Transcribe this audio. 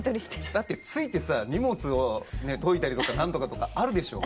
だって着いて荷物をといたり何とかとかあるでしょ？